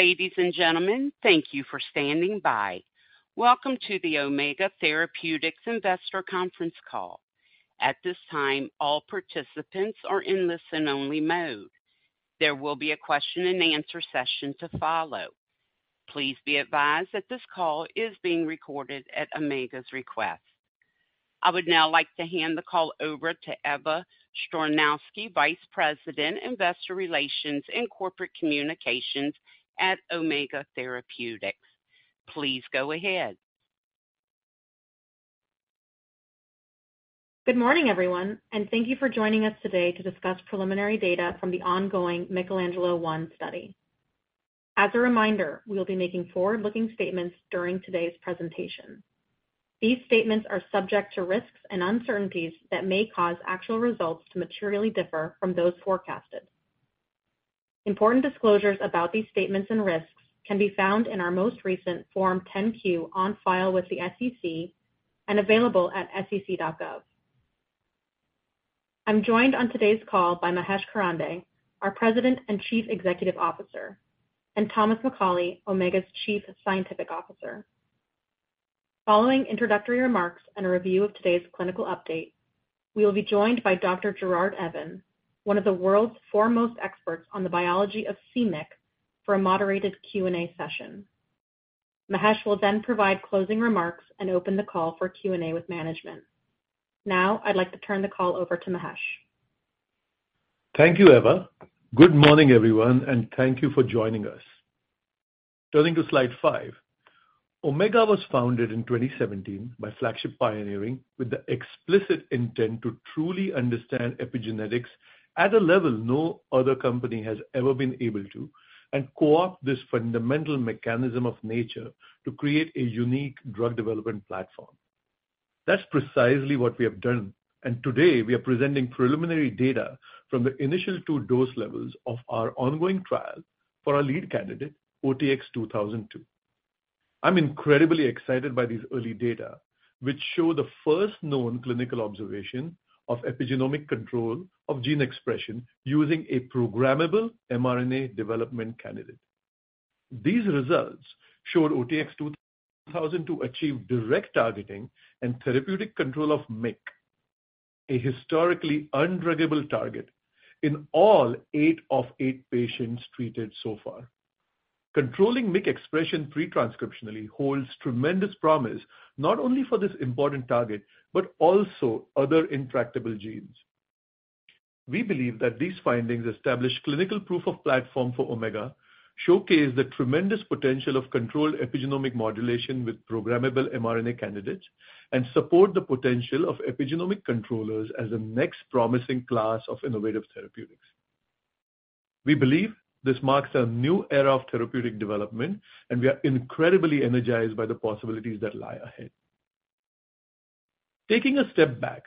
Ladies and gentlemen, thank you for standing by. Welcome to the Omega Therapeutics investor conference call. At this time, all participants are in listen-only mode. There will be a question-and-answer session to follow. Please be advised that this call is being recorded at Omega's request. I would now like to hand the call over to Eva Stroynowski, Vice President, Investor Relations and Corporate Communications at Omega Therapeutics. Please go ahead. Good morning, everyone, and thank you for joining us today to discuss preliminary data from the ongoing MYCHELANGELO I study. As a reminder, we will be making forward-looking statements during today's presentation. These statements are subject to risks and uncertainties that may cause actual results to materially differ from those forecasted. Important disclosures about these statements and risks can be found in our most recent Form 10-Q on file with the SEC and available at sec.gov. I'm joined on today's call by Mahesh Karande, our President and Chief Executive Officer, and Thomas McCauley, Omega's Chief Scientific Officer. Following introductory remarks and a review of today's clinical update, we will be joined by Dr. Gerard Evan, one of the world's foremost experts on the biology of c-MYC, for a moderated Q&A session. Mahesh will then provide closing remarks and open the call for Q&A with management. Now, I'd like to turn the call over to Mahesh. Thank you, Eva. Good morning, everyone, and thank you for joining us. Turning to slide five. Omega was founded in 2017 by Flagship Pioneering with the explicit intent to truly understand epigenetics at a level no other company has ever been able to, and co-opt this fundamental mechanism of nature to create a unique drug development platform. That's precisely what we have done, and today we are presenting preliminary data from the initial 2 dose levels of our ongoing trial for our lead candidate, OTX-2002. I'm incredibly excited by these early data, which show the first known clinical observation of epigenomic control of gene expression using a programmable mRNA development candidate. These results showed OTX-2002 achieved direct targeting and therapeutic control of c-MYC, a historically undruggable target in all eight of eight patients treated so far. Controlling c-MYC expression pre-transcriptionally holds tremendous promise, not only for this important target, but also other intractable genes. We believe that these findings establish clinical proof of platform for Omega, showcase the tremendous potential of controlled epigenomic modulation with programmable mRNA candidates, and support the potential of epigenomic controllers as the next promising class of innovative therapeutics. We believe this marks a new era of therapeutic development, and we are incredibly energized by the possibilities that lie ahead. Taking a step back,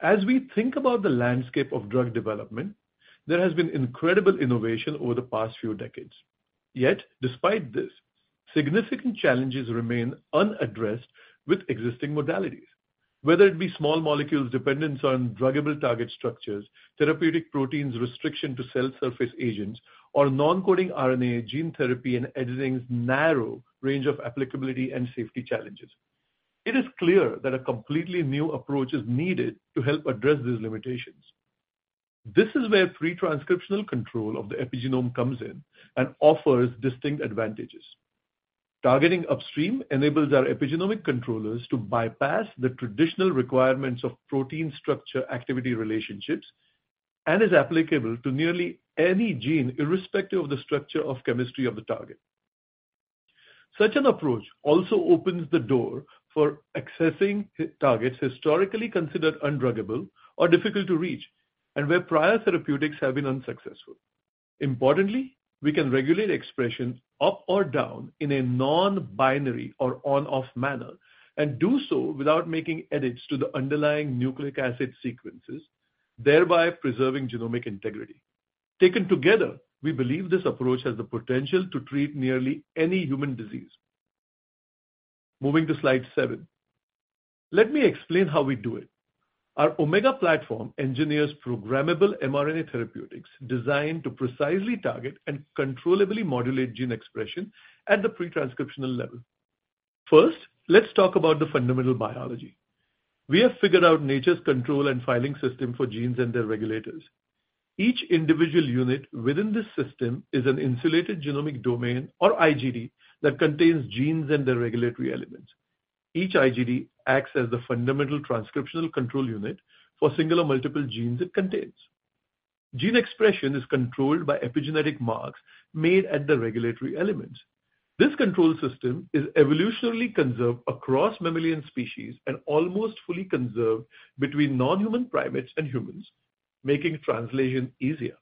as we think about the landscape of drug development, there has been incredible innovation over the past few decades. Yet despite this, significant challenges remain unaddressed with existing modalities. Whether it be small molecules, dependence on druggable target structures, therapeutic proteins, restriction to cell surface agents, or non-coding RNA gene therapy and editing's narrow range of applicability and safety challenges, it is clear that a completely new approach is needed to help address these limitations. This is where pre-transcriptional control of the epigenome comes in and offers distinct advantages. Targeting upstream enables our epigenomic controllers to bypass the traditional requirements of protein structure activity relationships and is applicable to nearly any gene, irrespective of the structure of chemistry of the target. Such an approach also opens the door for accessing targets historically considered undruggable or difficult to reach and where prior therapeutics have been unsuccessful. Importantly, we can regulate expression up or down in a non-binary or on-off manner, and do so without making edits to the underlying nucleic acid sequences, thereby preserving genomic integrity. Taken together, we believe this approach has the potential to treat nearly any human disease. Moving to slide seven. Let me explain how we do it. Our OMEGA platform engineers programmable mRNA therapeutics designed to precisely target and controllably modulate gene expression at the pre-transcriptional level. First, let's talk about the fundamental biology. We have figured out nature's control and filing system for genes and their regulators. Each individual unit within this system is an insulated genomic domain, or IGD, that contains genes and their regulatory elements. Each IGD acts as the fundamental transcriptional control unit for single or multiple genes it contains. Gene expression is controlled by epigenetic marks made at the regulatory elements. This control system is evolutionarily conserved across mammalian species and almost fully conserved between non-human primates and humans, making translation easier.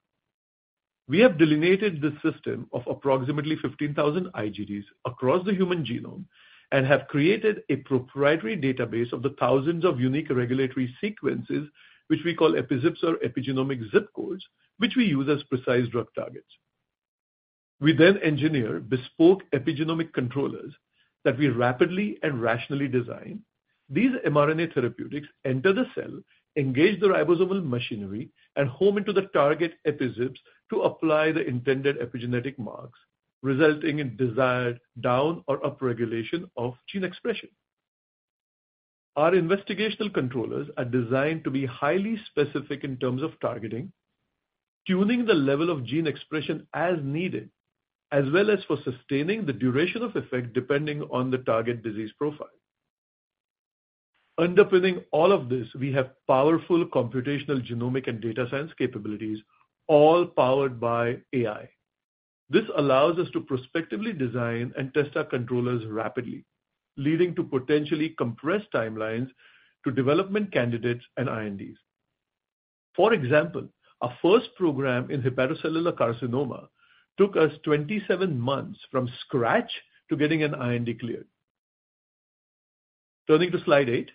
We have delineated this system of approximately 15,000 IGDs across the human genome and have created a proprietary database of the thousands of unique regulatory sequences, which we call EpiZips or epigenomic zip codes, which we use as precise drug targets. We then engineer bespoke epigenomic controllers that we rapidly and rationally design. These mRNA therapeutics enter the cell, engage the ribosomal machinery, and home into the target EpiZips to apply the intended epigenetic marks, resulting in desired down or upregulation of gene expression. Our investigational controllers are designed to be highly specific in terms of targeting, tuning the level of gene expression as needed, as well as for sustaining the duration of effect, depending on the target disease profile. Underpinning all of this, we have powerful computational genomic and data science capabilities, all powered by AI. This allows us to prospectively design and test our controllers rapidly, leading to potentially compressed timelines to development candidates and INDs. For example, our first program in hepatocellular carcinoma took us 27 months from scratch to getting an IND cleared. Turning to slide eight.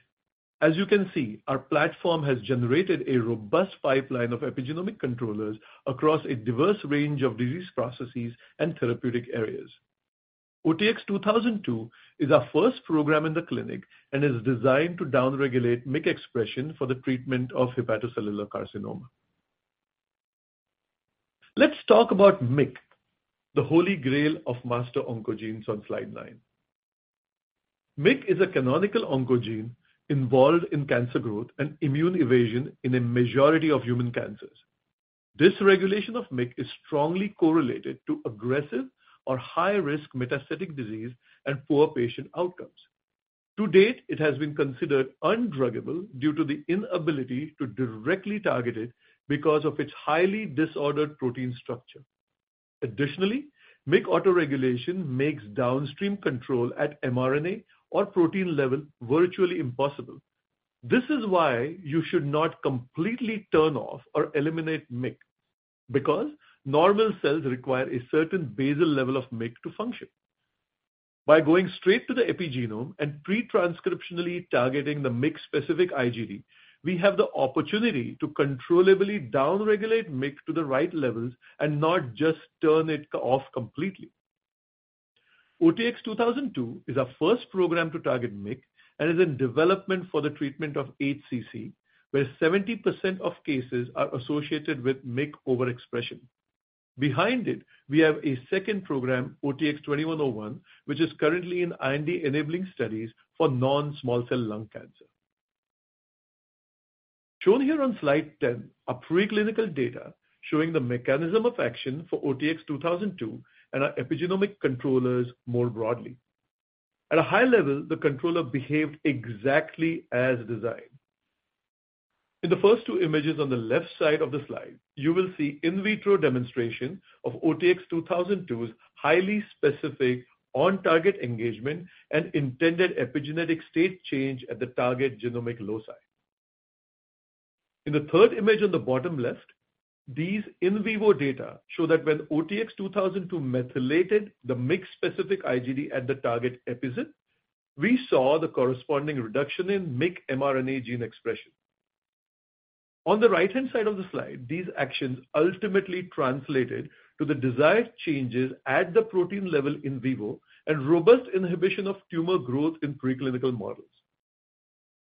As you can see, our platform has generated a robust pipeline of epigenomic controllers across a diverse range of disease processes and therapeutic areas. OTX-2002 is our first program in the clinic and is designed to down-regulate MYC expression for the treatment of hepatocellular carcinoma. Let's talk about MYC, the holy grail of master oncogenes on slide nine. MYC is a canonical oncogene involved in cancer growth and immune evasion in a majority of human cancers. Dysregulation of MYC is strongly correlated to aggressive or high-risk metastatic disease and poor patient outcomes. To date, it has been considered undruggable due to the inability to directly target it, because of its highly disordered protein structure. Additionally, MYC autoregulation makes downstream control at mRNA or protein level virtually impossible. This is why you should not completely turn off or eliminate MYC, because normal cells require a certain basal level of MYC to function. By going straight to the epigenome and pre-transcriptionally targeting the MYC-specific IGD, we have the opportunity to controllably down-regulate MYC to the right levels and not just turn it off completely. OTX-2002 is our first program to target MYC and is in development for the treatment of HCC, where 70% of cases are associated with MYC overexpression. Behind it, we have a second program, OTX-2101, which is currently in IND-enabling studies for non-small cell lung cancer. Shown here on slide 10 are preclinical data showing the mechanism of action for OTX-2002 and our epigenomic controllers more broadly. At a high level, the controller behaved exactly as designed. In the first two images on the left side of the slide, you will see in vitro demonstration of OTX-2002's highly specific on-target engagement and intended epigenetic state change at the target genomic loci. In the third image on the bottom left, these in vivo data show that when OTX-2002 methylated the MYC-specific IGD at the target EpiZips, we saw the corresponding reduction in MYC mRNA gene expression. On the right-hand side of the slide, these actions ultimately translated to the desired changes at the protein level in vivo and robust inhibition of tumor growth in preclinical models.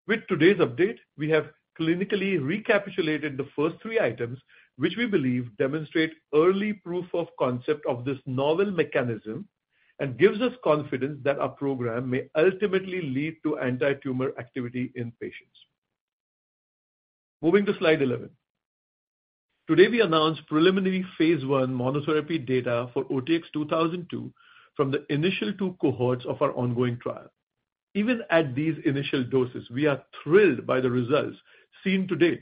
With today's update, we have clinically recapitulated the first three items, which we believe demonstrate early proof of concept of this novel mechanism and gives us confidence that our program may ultimately lead to anti-tumor activity in patients. Moving to slide 11. Today, we announced preliminary phase I monotherapy data for OTX-2002 from the initial 2 cohorts of our ongoing trial. Even at these initial doses, we are thrilled by the results seen to date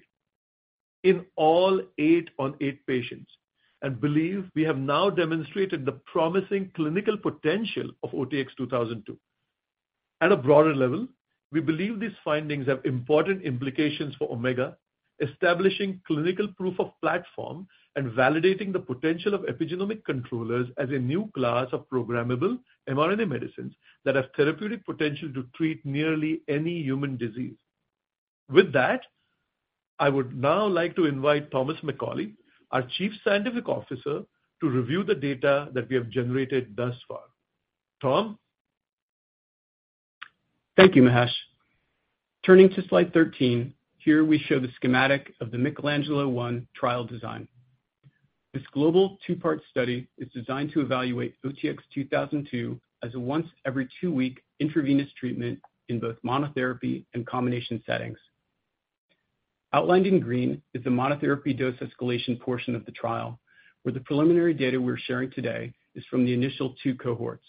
in all eight out of eight patients, and believe we have now demonstrated the promising clinical potential of OTX-2002. At a broader level, we believe these findings have important implications for Omega, establishing clinical proof of platform and validating the potential of epigenomic controllers as a new class of programmable mRNA medicines that have therapeutic potential to treat nearly any human disease. With that, I would now like to invite Thomas McCauley, our Chief Scientific Officer, to review the data that we have generated thus far. Tom? Thank you, Mahesh. Turning to slide 13, here we show the schematic of the MYCHELANGELO I trial design. This global two-part study is designed to evaluate OTX-2002 as a once every two-week intravenous treatment in both monotherapy and combination settings. Outlined in green is the monotherapy dose escalation portion of the trial, where the preliminary data we're sharing today is from the initial two cohorts.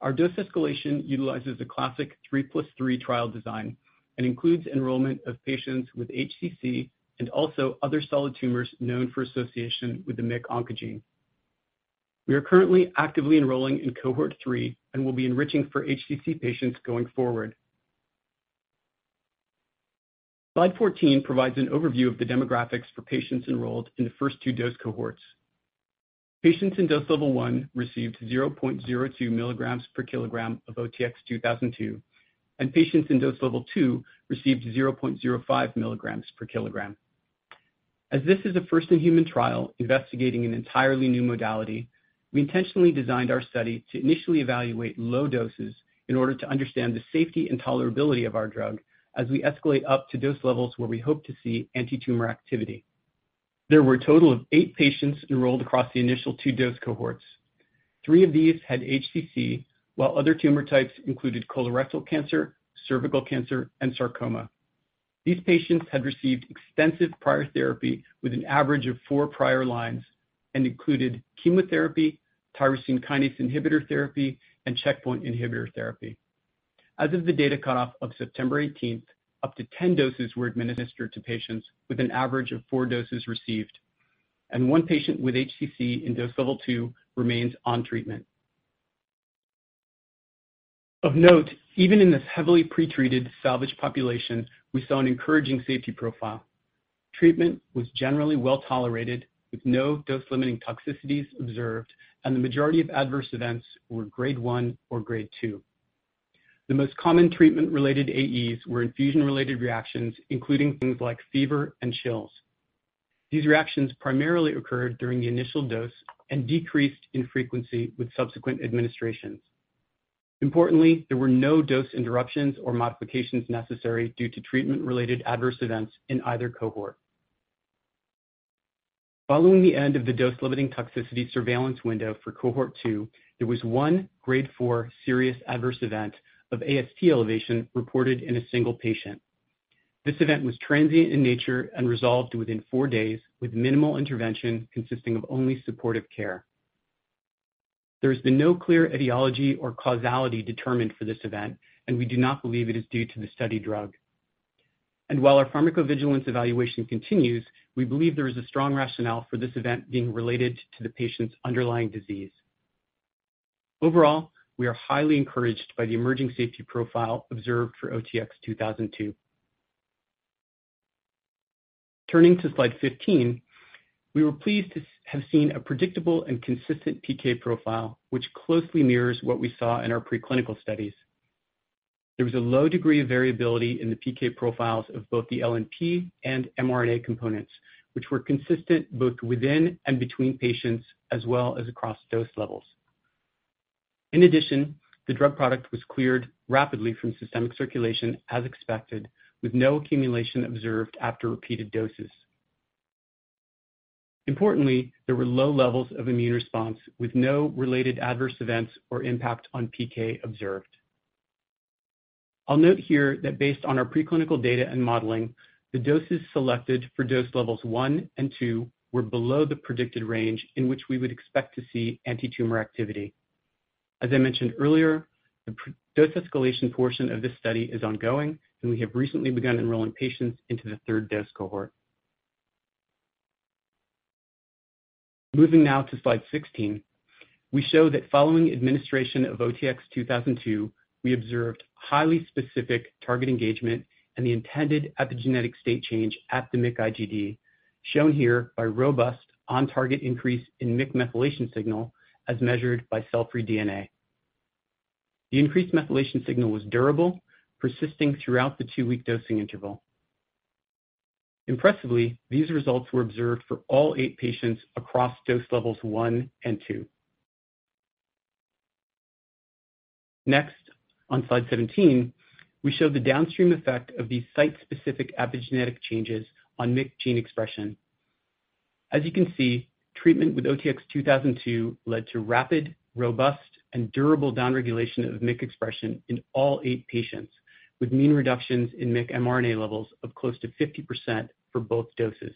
Our dose escalation utilizes a classic 3 + 3 trial design and includes enrollment of patients with HCC and also other solid tumors known for association with the MYC oncogene. We are currently actively enrolling in Cohort 3 and will be enriching for HCC patients going forward. Slide 14 provides an overview of the demographics for patients enrolled in the first two dose cohorts. Patients in dose level 1 received 0.02 mg/kg of OTX-2002, and patients in dose level 2 received 0.05 mg/kg. As this is a first-in-human trial investigating an entirely new modality, we intentionally designed our study to initially evaluate low doses in order to understand the safety and tolerability of our drug as we escalate up to dose levels where we hope to see antitumor activity. There were a total of eight patients enrolled across the initial two dose cohorts. Three of these had HCC, while other tumor types included colorectal cancer, cervical cancer, and sarcoma. These patients had received extensive prior therapy with an average of four prior lines, and included chemotherapy, tyrosine kinase inhibitor therapy, and checkpoint inhibitor therapy. As of the data cutoff of September 18th, up to 10 doses were administered to patients, with an average of four doses received, and one patient with HCC in dose level 2 remains on treatment. Of note, even in this heavily pretreated salvaged population, we saw an encouraging safety profile. Treatment was generally well-tolerated, with no dose-limiting toxicities observed, and the majority of adverse events were grade 1 or grade 2. The most common treatment-related AEs were infusion-related reactions, including things like fever and chills. These reactions primarily occurred during the initial dose and decreased in frequency with subsequent administrations. Importantly, there were no dose interruptions or modifications necessary due to treatment-related adverse events in either cohort. Following the end of the dose-limiting toxicity surveillance window for Cohort 2, there was one grade 4 serious adverse event of AST elevation reported in a single patient. This event was transient in nature and resolved within four days, with minimal intervention consisting of only supportive care. There has been no clear etiology or causality determined for this event, and we do not believe it is due to the study drug. While our pharmacovigilance evaluation continues, we believe there is a strong rationale for this event being related to the patient's underlying disease. Overall, we are highly encouraged by the emerging safety profile observed for OTX-2002. Turning to slide 15, we were pleased to have seen a predictable and consistent PK profile, which closely mirrors what we saw in our preclinical studies. There was a low degree of variability in the PK profiles of both the LNP and mRNA components, which were consistent both within and between patients, as well as across dose levels. In addition, the drug product was cleared rapidly from systemic circulation, as expected, with no accumulation observed after repeated doses. Importantly, there were low levels of immune response, with no related adverse events or impact on PK observed. I'll note here that based on our preclinical data and modeling, the doses selected for dose levels 1 and 2 were below the predicted range in which we would expect to see antitumor activity. As I mentioned earlier, the dose escalation portion of this study is ongoing, and we have recently begun enrolling patients into the third dose cohort. Moving now to slide 16, we show that following administration of OTX-2002, we observed highly specific target engagement and the intended epigenetic state change at the MYC IGD, shown here by robust on-target increase in MYC methylation signal as measured by cell-free DNA. The increased methylation signal was durable, persisting throughout the two-week dosing interval. Impressively, these results were observed for all eight patients across dose levels 1 and 2. Next, on slide 17, we show the downstream effect of these site-specific epigenetic changes on MYC gene expression. As you can see, treatment with OTX-2002 led to rapid, robust, and durable downregulation of MYC expression in all eight patients, with mean reductions in MYC mRNA levels of close to 50% for both doses.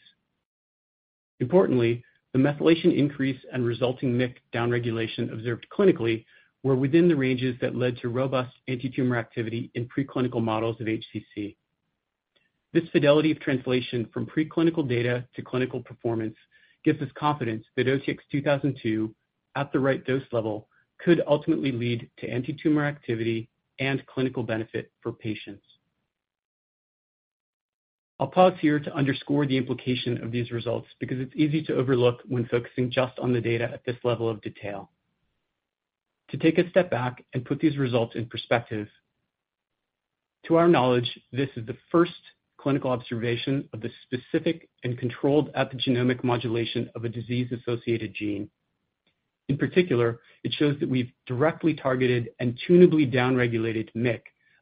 Importantly, the methylation increase and resulting MYC downregulation observed clinically were within the ranges that led to robust antitumor activity in preclinical models of HCC. This fidelity of translation from preclinical data to clinical performance gives us confidence that OTX-2002, at the right dose level, could ultimately lead to antitumor activity and clinical benefit for patients. I'll pause here to underscore the implication of these results because it's easy to overlook when focusing just on the data at this level of detail. To take a step back and put these results in perspective, to our knowledge, this is the first clinical observation of the specific and controlled epigenomic modulation of a disease-associated gene. In particular, it shows that we've directly targeted and tunably downregulated MYC,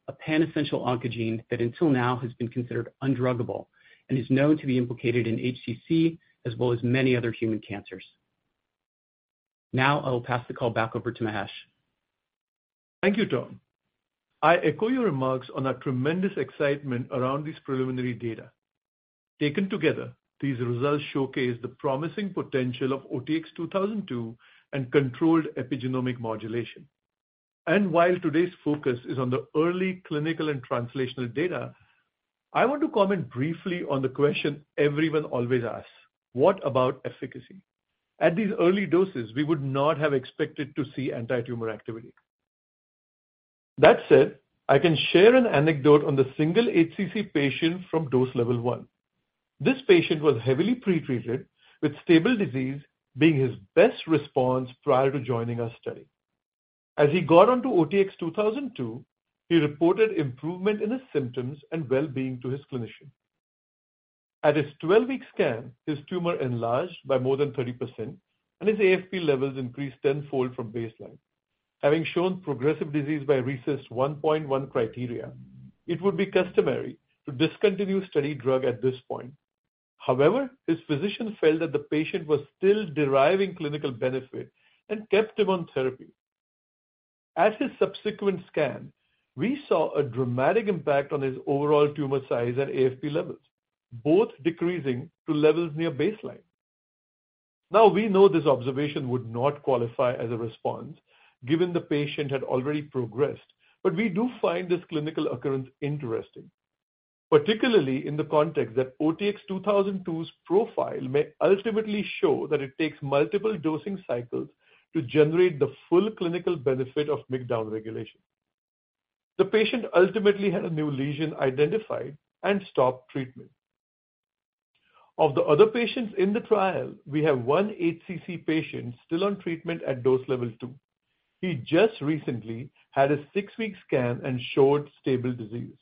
a pan-essential oncogene that until now has been considered undruggable and is known to be implicated in HCC as well as many other human cancers. Now I will pass the call back over to Mahesh. Thank you, Tom. I echo your remarks on our tremendous excitement around this preliminary data. Taken together, these results showcase the promising potential of OTX-2002 and controlled epigenomic modulation. While today's focus is on the early clinical and translational data, I want to comment briefly on the question everyone always asks: What about efficacy? At these early doses, we would not have expected to see antitumor activity. That said, I can share an anecdote on the single HCC patient from dose level 1. This patient was heavily pretreated, with stable disease being his best response prior to joining our study. As he got onto OTX-2002, he reported improvement in his symptoms and well-being to his clinician. At his 12-week scan, his tumor enlarged by more than 30%, and his AFP levels increased tenfold from baseline. Having shown progressive disease by RECIST 1.1 criteria, it would be customary to discontinue study drug at this point. However, his physician felt that the patient was still deriving clinical benefit and kept him on therapy. At his subsequent scan, we saw a dramatic impact on his overall tumor size and AFP levels, both decreasing to levels near baseline. Now, we know this observation would not qualify as a response, given the patient had already progressed, but we do find this clinical occurrence interesting, particularly in the context that OTX-2002's profile may ultimately show that it takes multiple dosing cycles to generate the full clinical benefit of MYC downregulation. The patient ultimately had a new lesion identified and stopped treatment. Of the other patients in the trial, we have one HCC patient still on treatment at dose level two. He just recently had a six-week scan and showed stable disease.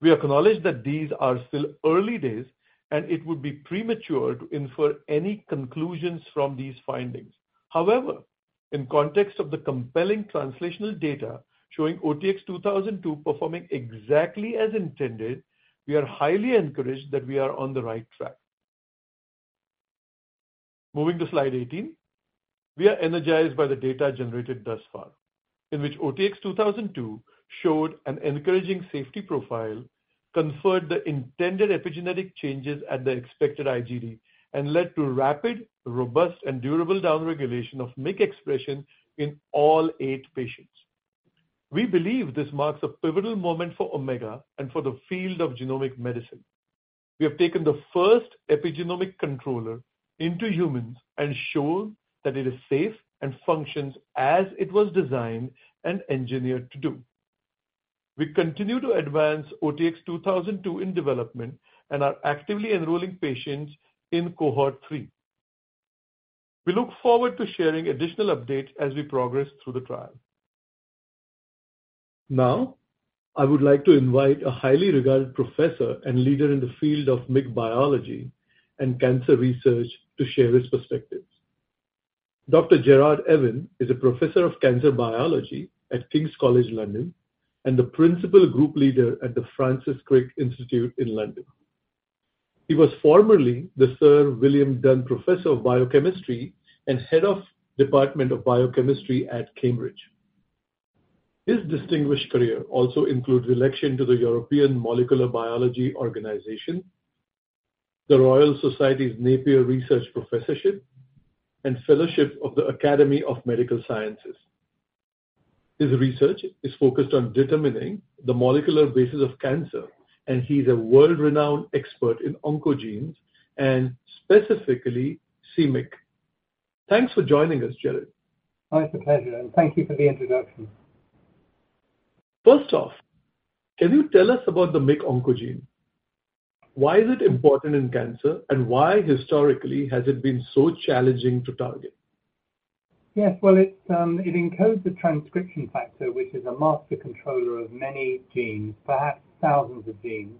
We acknowledge that these are still early days, and it would be premature to infer any conclusions from these findings. However, in context of the compelling translational data showing OTX-2002 performing exactly as intended, we are highly encouraged that we are on the right track. Moving to slide 18. We are energized by the data generated thus far, in which OTX-2002 showed an encouraging safety profile, conferred the intended epigenetic changes at the expected IGD, and led to rapid, robust, and durable downregulation of MYC expression in all eight patients. We believe this marks a pivotal moment for Omega and for the field of genomic medicine. We have taken the first epigenomic controller into humans and shown that it is safe and functions as it was designed and engineered to do. We continue to advance OTX-2002 in development and are actively enrolling patients in Cohort 3. We look forward to sharing additional updates as we progress through the trial. Now, I would like to invite a highly regarded professor and leader in the field of MYC biology and cancer research to share his perspectives. Dr. Gerard Evan is a professor of cancer biology at King's College London, and the Principal Group Leader at the Francis Crick Institute in London. He was formerly the Sir William Dunn Professor of Biochemistry and Head of Department of Biochemistry at Cambridge. His distinguished career also includes election to the European Molecular Biology Organization, the Royal Society's Napier Research Professorship, and Fellowship of the Academy of Medical Sciences. His research is focused on determining the molecular basis of cancer, and he's a world-renowned expert in oncogenes and specifically c-MYC. Thanks for joining us, Gerard. Oh, it's a pleasure, and thank you for the introduction. First off, can you tell us about the MYC oncogene? Why is it important in cancer, and why, historically, has it been so challenging to target? Yes. Well, it, it encodes a transcription factor, which is a master controller of many genes, perhaps thousands of genes.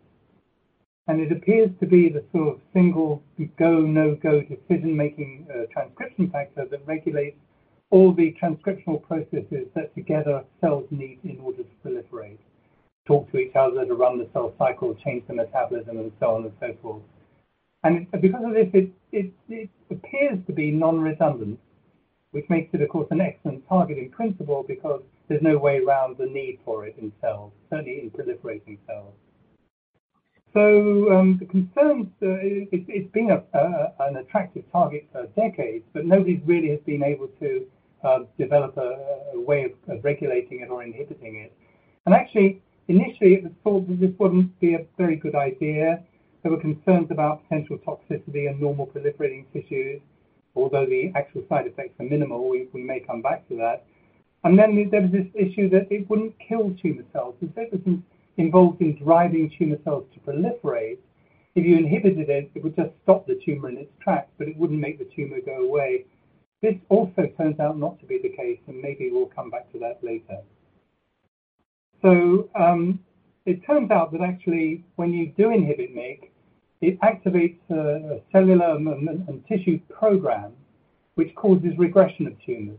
And it appears to be the sort of single go, no-go decision-making transcription factor that regulates all the transcriptional processes that together cells need in order to proliferate, talk to each other, to run the cell cycle, change the metabolism, and so on and so forth. And because of this, it, it appears to be non-redundant, which makes it, of course, an excellent target in principle, because there's no way around the need for it in cells, certainly in proliferating cells. So, the concerns... it's, it's been a, an attractive target for decades, but nobody's really has been able to develop a, a way of, of regulating it or inhibiting it. Actually, initially, it was thought that this wouldn't be a very good idea. There were concerns about potential toxicity in normal proliferating tissues, although the actual side effects are minimal. We may come back to that. Then there was this issue that it wouldn't kill tumor cells. Since it was involved in driving tumor cells to proliferate, if you inhibited it, it would just stop the tumor in its tracks, but it wouldn't make the tumor go away. This also turns out not to be the case, and maybe we'll come back to that later. It turns out that actually, when you do inhibit MYC, it activates a cellular and tissue program which causes regression of tumors.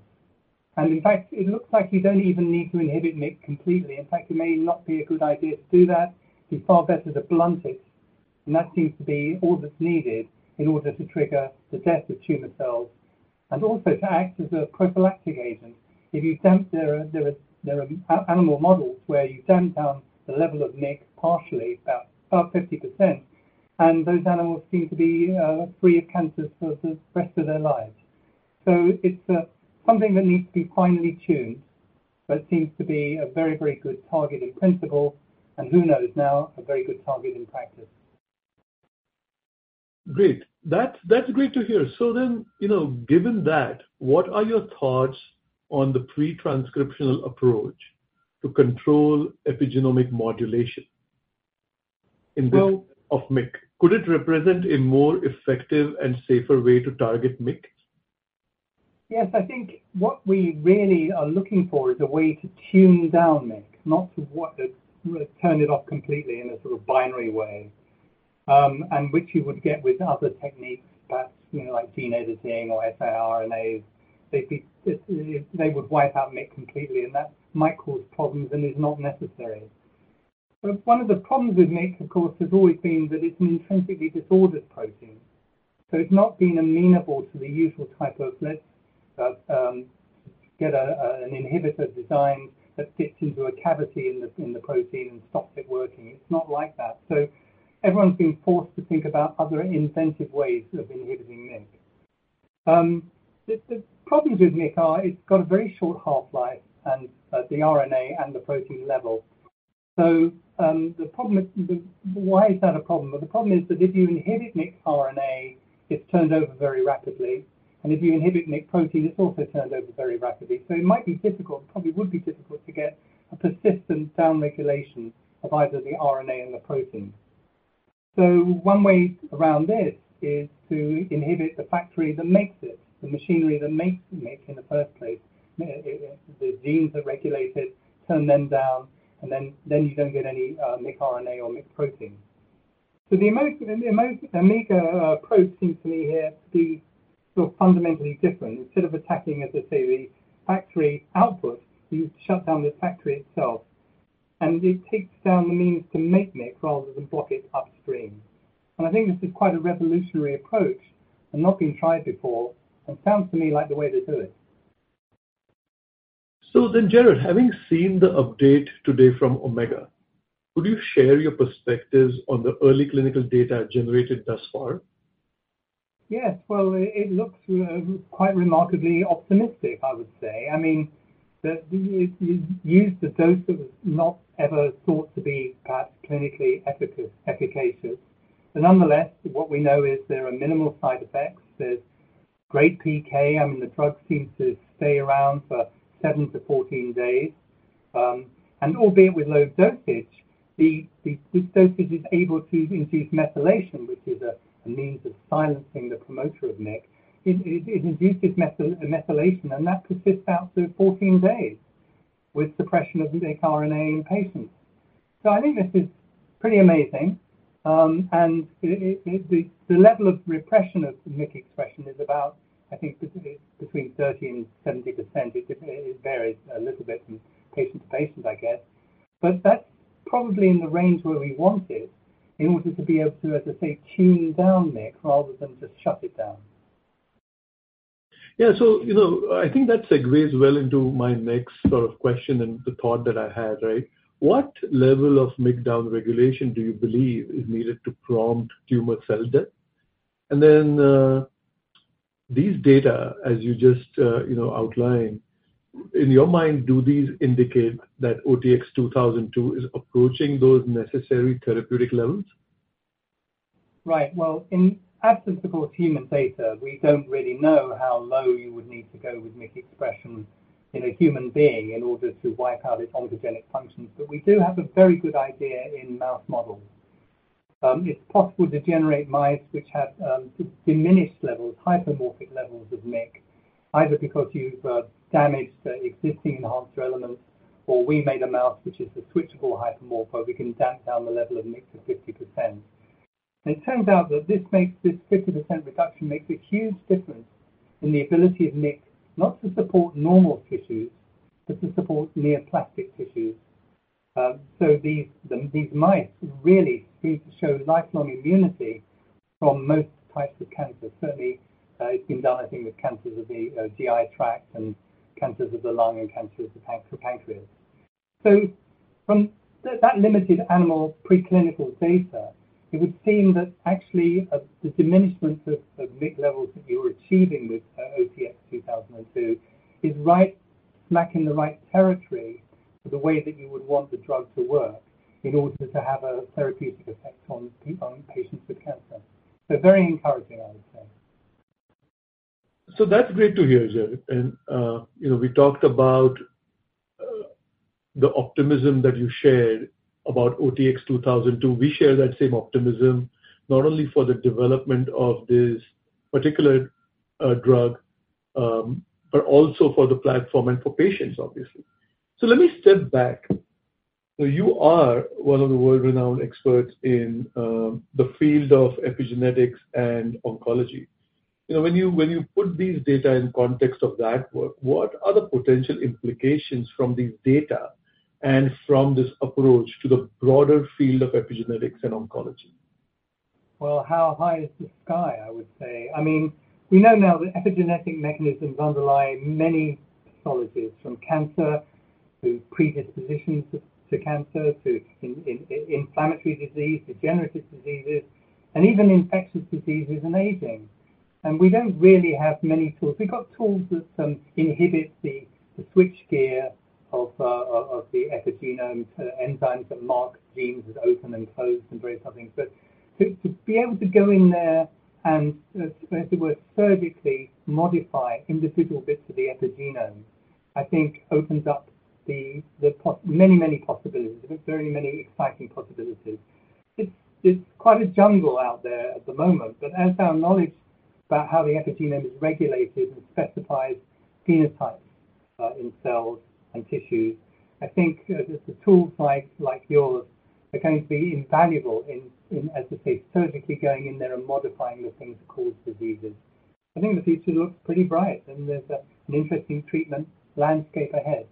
In fact, it looks like you don't even need to inhibit MYC completely. In fact, it may not be a good idea to do that. It's far better to blunt it, and that seems to be all that's needed in order to trigger the death of tumor cells and also to act as a prophylactic agent. If you dampen it, there are animal models where you damp down the level of MYC partially, about 50%, and those animals seem to be free of cancers for the rest of their lives. So it's something that needs to be finely tuned, but seems to be a very, very good target in principle, and who knows, now, a very good target in practice. Great. That's, that's great to hear. So then, you know, given that, what are your thoughts on the pre-transcriptional approach to control epigenomic modulation?... in build of MYC, could it represent a more effective and safer way to target MYC? Yes, I think what we really are looking for is a way to tune down MYC, not to what, turn it off completely in a sort of binary way, and which you would get with other techniques, perhaps, you know, like gene editing or siRNAs. They'd be, if they would wipe out MYC completely, and that might cause problems and is not necessary. But one of the problems with MYC, of course, has always been that it's an intrinsically disordered protein, so it's not been amenable to the usual type of let's, get a, an inhibitor design that fits into a cavity in the, in the protein and stops it working. It's not like that. So everyone's been forced to think about other inventive ways of inhibiting MYC. The problems with MYC are, it's got a very short half-life and the RNA and the protein level. So, the problem is... Why is that a problem? Well, the problem is that if you inhibit MYC RNA, it's turned over very rapidly, and if you inhibit MYC protein, it's also turned over very rapidly. So it might be difficult, probably would be difficult, to get a persistent down regulation of either the RNA and the protein. So one way around this is to inhibit the factory that makes it, the machinery that makes MYC in the first place. The genes that regulate it, turn them down, and then you don't get any MYC RNA or MYC protein. So the most Omega approach seems to me here to be sort of fundamentally different. Instead of attacking, as I say, the factory output, you shut down the factory itself, and it takes down the means to make MYC rather than block it upstream. I think this is quite a revolutionary approach and not been tried before, and sounds to me like the way to do it. So then, Gerard, having seen the update today from Omega, could you share your perspectives on the early clinical data generated thus far? Yes. Well, it looks quite remarkably optimistic, I would say. I mean, we used a dose that was not ever thought to be perhaps clinically efficacious, but nonetheless, what we know is there are minimal side effects. There's great PK. I mean, the drug seems to stay around for seven to 14 days. And albeit with low dosage, this dosage is able to induce methylation, which is a means of silencing the promoter of MYC. It induces methylation, and that persists out to 14 days with suppression of the MYC RNA in patients. So I think this is pretty amazing. And the level of repression of MYC expression is about, I think, between 30% and 70%. It varies a little bit from patient to patient, I guess, but that's probably in the range where we want it, in order to be able to, as I say, tune down MYC rather than just shut it down. Yeah. So, you know, I think that segues well into my next sort of question and the thought that I had, right? What level of MYC downregulation do you believe is needed to prompt tumor cell death? And then, these data, as you just, you know, outlined, in your mind, do these indicate that OTX-2002 is approaching those necessary therapeutic levels? Right. Well, in absence, of course, human data, we don't really know how low you would need to go with MYC expression in a human being in order to wipe out its oncogenic functions, but we do have a very good idea in mouse models. It's possible to generate mice which have diminished levels, hypomorphic levels of MYC, either because you've damaged the existing enhancer elements, or we made a mouse, which is a switchable hypomorph, where we can damp down the level of MYC to 50%. It turns out that this 50% reduction makes a huge difference in the ability of MYC not to support normal tissues, but to support neoplastic tissues. These mice really seem to show lifelong immunity from most types of cancer. Certainly, it's been done, I think, with cancers of the GI tract and cancers of the lung and cancers of the pancreas. So from that limited animal preclinical data, it would seem that actually, the diminishment of MYC levels that you're achieving with OTX-2002 is right, smack in the right territory for the way that you would want the drug to work in order to have a therapeutic effect on patients with cancer. So very encouraging, I would say. So that's great to hear, Gerard. And, you know, we talked about the optimism that you shared about OTX-2002. We share that same optimism, not only for the development of this particular drug, but also for the platform and for patients, obviously. So let me step back. So you are one of the world-renowned experts in the field of epigenetics and oncology. You know, when you put these data in context of that, what are the potential implications from these data and from this approach to the broader field of epigenetics and oncology? Well, how high is the sky? I would say. I mean, we know now that epigenetic mechanisms underlie many pathologies, from cancer to predispositions to cancer, to inflammatory disease, degenerative diseases, and even infectious diseases and aging. And we don't really have many tools. We've got tools that inhibit the switch gear of the epigenome, enzymes that mark genes as open and closed and very something. But to be able to go in there and, as it were, surgically modify individual bits of the epigenome-... I think opens up the many, many possibilities, very many exciting possibilities. It's quite a jungle out there at the moment, but as our knowledge about how the epigenome is regulated and specifies phenotypes in cells and tissues, I think that the tools like yours are going to be invaluable in, as the case, surgically going in there and modifying the things that cause diseases. I think the future looks pretty bright, and there's an interesting treatment landscape ahead.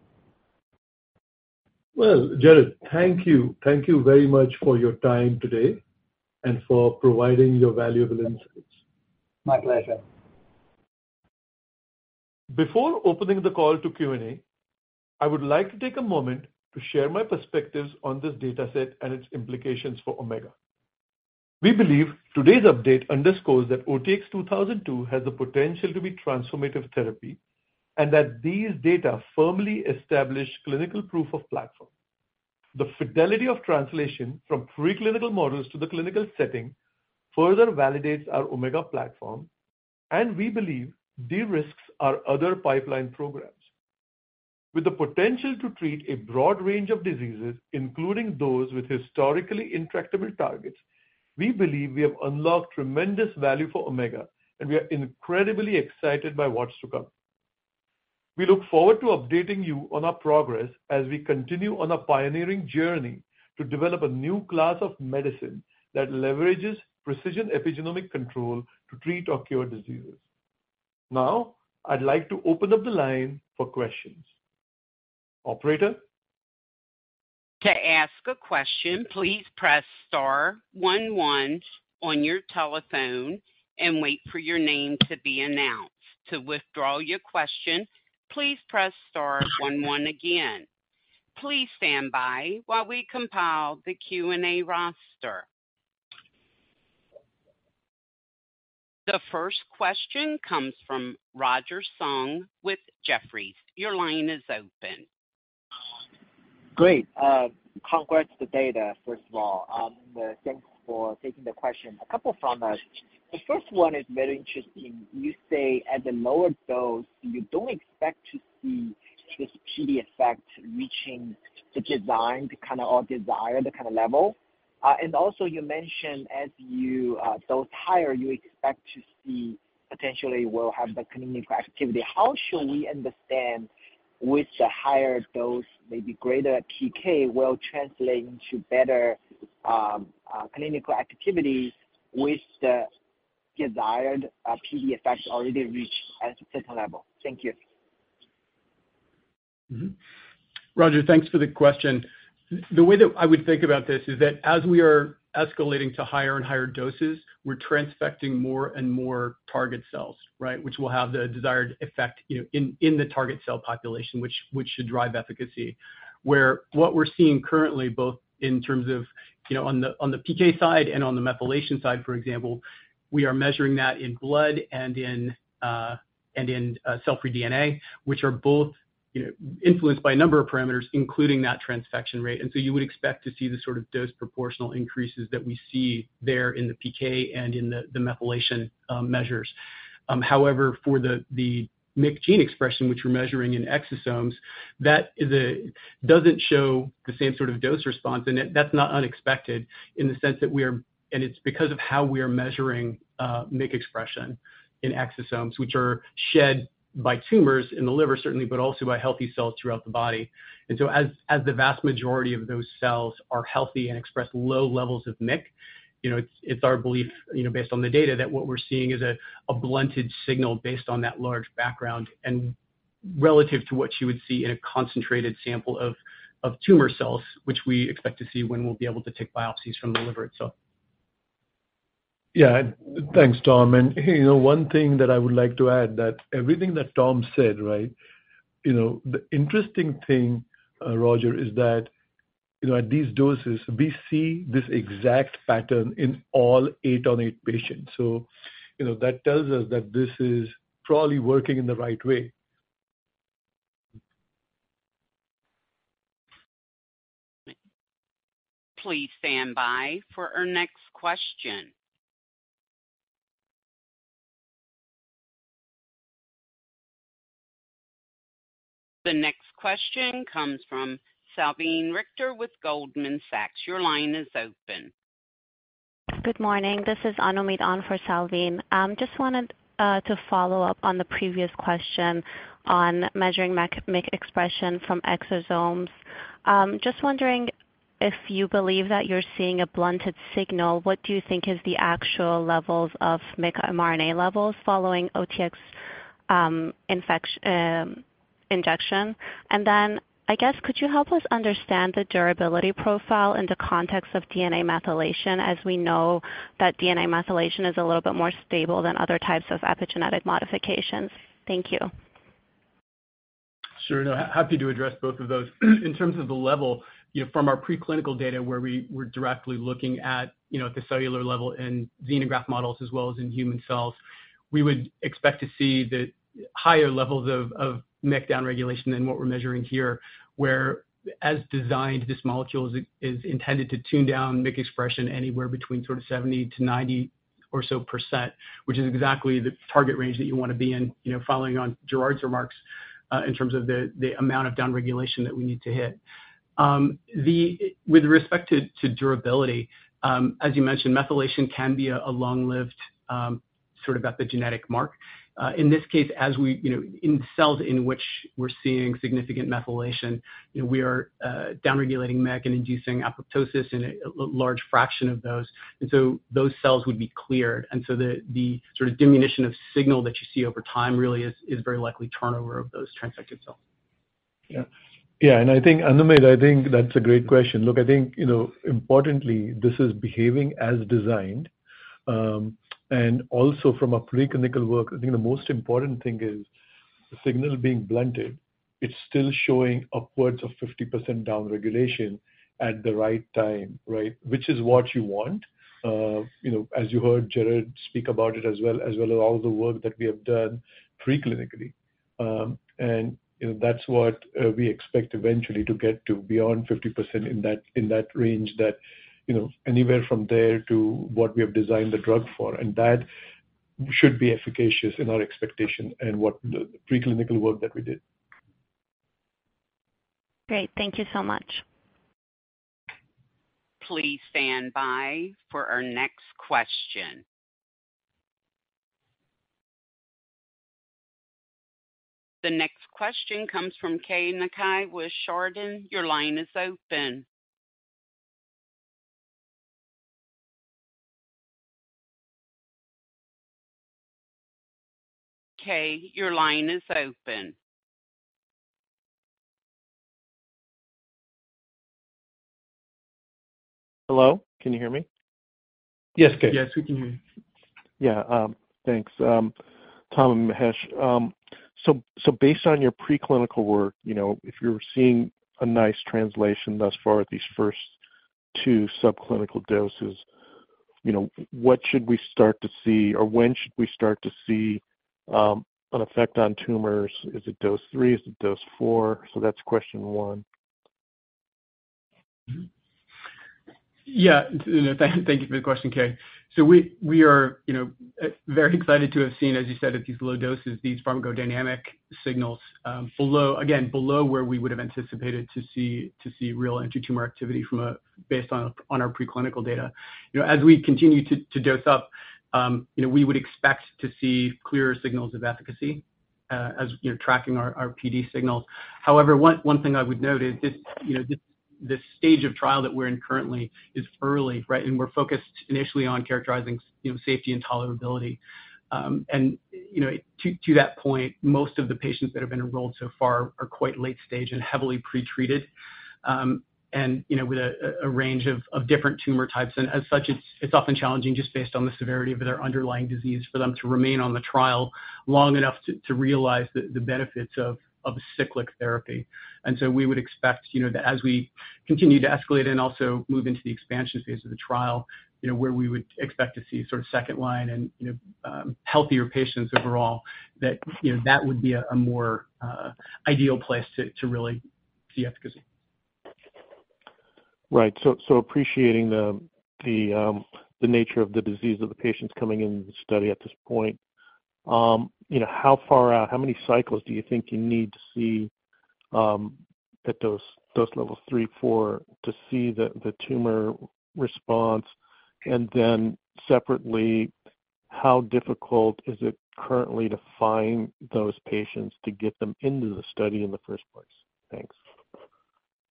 Well, Gerard, thank you. Thank you very much for your time today and for providing your valuable insights. My pleasure. Before opening the call to Q&A, I would like to take a moment to share my perspectives on this data set and its implications for Omega. We believe today's update underscores that OTX-2002 has the potential to be transformative therapy and that these data firmly establish clinical proof of platform. The fidelity of translation from preclinical models to the clinical setting further validates our Omega platform, and we believe, de-risks our other pipeline programs. With the potential to treat a broad range of diseases, including those with historically intractable targets, we believe we have unlocked tremendous value for Omega, and we are incredibly excited by what's to come. We look forward to updating you on our progress as we continue on a pioneering journey to develop a new class of medicine that leverages precision epigenomic control to treat or cure diseases. Now, I'd like to open up the line for questions. Operator? To ask a question, please press star one one on your telephone and wait for your name to be announced. To withdraw your question, please press star one one again. Please stand by while we compile the Q&A roster. The first question comes from Roger Song with Jefferies. Your line is open. Great. Congrats, the data, first of all, thanks for taking the question. A couple from us. The first one is very interesting. You say at the lower dose, you don't expect to see this PD effect reaching the designed kind of, or desired kind of level. And also you mentioned as you dose higher, you expect to see potentially will have the clinical activity. How should we understand with the higher dose, maybe greater PK will translate into better clinical activity with the desired PD effect already reached at a certain level? Thank you. Roger, thanks for the question. The way that I would think about this is that as we are escalating to higher and higher doses, we're transfecting more and more target cells, right? Which will have the desired effect, you know, in the target cell population, which should drive efficacy. What we're seeing currently, both in terms of, you know, on the PK side and on the methylation side, for example, we are measuring that in blood and in cell-free DNA, which are both, you know, influenced by a number of parameters, including that transfection rate. And so you would expect to see the sort of dose proportional increases that we see there in the PK and in the methylation measures. However, for the MYC gene expression, which we're measuring in exosomes, that doesn't show the same sort of dose response, and that's not unexpected in the sense that it's because of how we are measuring MYC expression in exosomes, which are shed by tumors in the liver, certainly, but also by healthy cells throughout the body. And so as the vast majority of those cells are healthy and express low levels of MYC, you know, it's our belief, you know, based on the data, that what we're seeing is a blunted signal based on that large background and relative to what you would see in a concentrated sample of tumor cells, which we expect to see when we'll be able to take biopsies from the liver itself. Yeah. Thanks, Tom. And, hey, you know, one thing that I would like to add, that everything that Tom said, right? You know, the interesting thing, Roger, is that, you know, at these doses, we see this exact pattern in all eight of eight patients. So, you know, that tells us that this is probably working in the right way. Please stand by for our next question. The next question comes from Salveen Richter with Goldman Sachs. Your line is open. Good morning. This is [Anomit An] for Salveen. Just wanted to follow up on the previous question on measuring MYC, MYC expression from exosomes. Just wondering if you believe that you're seeing a blunted signal, what do you think is the actual levels of MYC mRNA levels following OTX injection? And then, I guess, could you help us understand the durability profile in the context of DNA methylation, as we know that DNA methylation is a little bit more stable than other types of epigenetic modifications? Thank you. Sure. Happy to address both of those. In terms of the level, you know, from our preclinical data, where we were directly looking at, you know, at the cellular level in xenograft models as well as in human cells, we would expect to see the higher levels of MYC downregulation than what we're measuring here, where, as designed, this molecule is intended to tune down MYC expression anywhere between sort of 70%-90% or so percent, which is exactly the target range that you want to be in, you know, following on Gerard's remarks, in terms of the amount of downregulation that we need to hit. With respect to durability, as you mentioned, methylation can be a long-lived sort of epigenetic mark. In this case, as we, you know, in cells in which we're seeing significant methylation, you know, we are downregulating MYC and inducing apoptosis in a large fraction of those. And so those cells would be cleared. And so the sort of diminution of signal that you see over time really is very likely turnover of those transfected cells. Yeah. Yeah, and I think, [Anomit], I think that's a great question. Look, I think, you know, importantly, this is behaving as designed. And also from a preclinical work, I think the most important thing is the signal being blunted. It's still showing upwards of 50% downregulation at the right time, right? Which is what you want. You know, as you heard Gerard speak about it as well, as well as all the work that we have done preclinically. And, you know, that's what we expect eventually to get to beyond 50% in that, in that range that, you know, anywhere from there to what we have designed the drug for. That should be efficacious in our expectation and what the preclinical work that we did. Great. Thank you so much. Please stand by for our next question. The next question comes from Keay Nakae with Chardan. Your line is open. Keay, your line is open. Hello, can you hear me? Yes, Keay. Yes, we can hear you. Yeah, thanks. Tom, Mahesh, so based on your preclinical work, you know, if you're seeing a nice translation thus far at these first two subclinical doses, you know, what should we start to see, or when should we start to see an effect on tumors? Is it dose three? Is it dose four? So that's question one. Yeah, thank you for the question, Keay. So we are, you know, very excited to have seen, as you said, at these low doses, these pharmacodynamic signals, below, again, below where we would have anticipated to see real anti-tumor activity, based on our preclinical data. You know, as we continue to dose up, you know, we would expect to see clearer signals of efficacy, as, you know, tracking our PD signals. However, one thing I would note is this, you know, this stage of trial that we're in currently is early, right? And we're focused initially on characterizing, you know, safety and tolerability. And, you know, to that point, most of the patients that have been enrolled so far are quite late stage and heavily pretreated, and, you know, with a range of different tumor types. And as such, it's often challenging just based on the severity of their underlying disease, for them to remain on the trial long enough to realize the benefits of cyclic therapy. And so we would expect, you know, that as we continue to escalate and also move into the expansion phase of the trial, you know, where we would expect to see sort of second line and, you know, healthier patients overall, that, you know, that would be a more ideal place to really see efficacy. Right. So appreciating the nature of the disease of the patients coming in the study at this point, you know, how far out, how many cycles do you think you need to see at those dose level 3, 4, to see the tumor response? And then separately, how difficult is it currently to find those patients to get them into the study in the first place?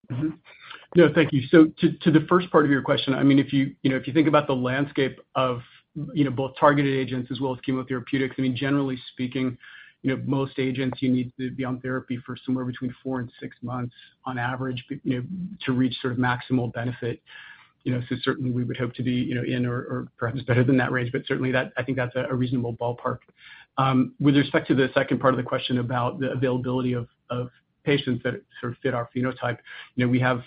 Thanks. No, thank you. So, to the first part of your question, I mean, if you, you know, if you think about the landscape of, you know, both targeted agents as well as chemotherapeutics, I mean, generally speaking, you know, most agents, you need to be on therapy for somewhere between four and six months on average, you know, to reach sort of maximal benefit. You know, so certainly we would hope to be, you know, in or, or perhaps better than that range, but certainly that. I think that's a reasonable ballpark. With respect to the second part of the question about the availability of patients that sort of fit our phenotype, you know, we have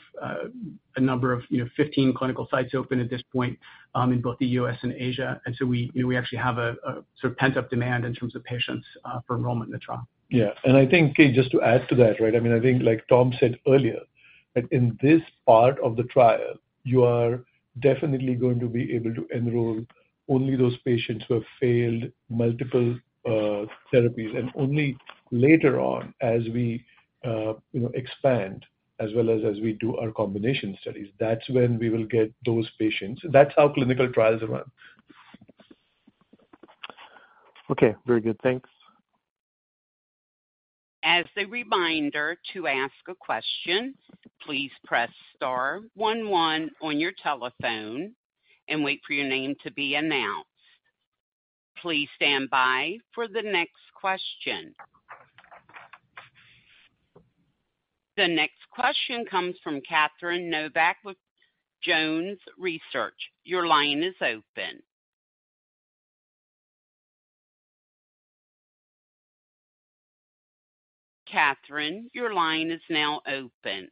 a number of, you know, 15 clinical sites open at this point, in both the U.S. and Asia. And so we, you know, we actually have a sort of pent-up demand in terms of patients for enrollment in the trial. Yeah. And I think, Keay, just to add to that, right, I mean, I think like Tom said earlier, that in this part of the trial, you are definitely going to be able to enroll only those patients who have failed multiple therapies, and only later on as we, you know, expand as well as, as we do our combination studies, that's when we will get those patients. That's how clinical trials run. Okay, very good. Thanks. As a reminder, to ask a question, please press star one one on your telephone and wait for your name to be announced. Please stand by for the next question. The next question comes from Catherine Novack with Jones Research. Your line is open. Catherine, your line is now open.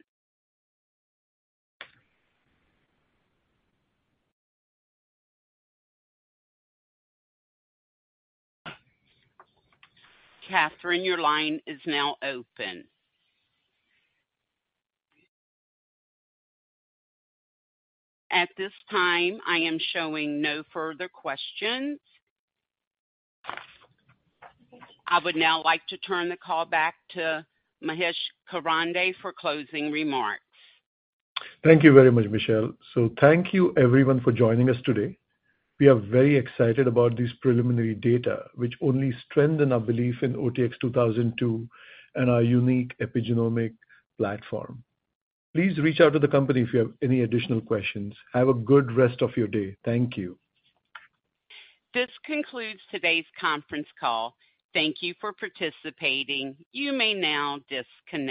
Catherine, your line is now open. At this time, I am showing no further questions. I would now like to turn the call back to Mahesh Karande for closing remarks. Thank you very much, Michelle. Thank you everyone for joining us today. We are very excited about this preliminary data, which only strengthen our belief in OTX-2002 and our unique epigenomic platform. Please reach out to the company if you have any additional questions. Have a good rest of your day. Thank you. This concludes today's conference call. Thank you for participating. You may now disconnect.